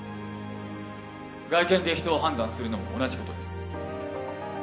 外見で人を判断するのも同じ事です。